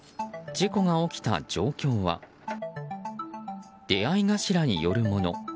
事故が起きた状況は出合い頭によるもの。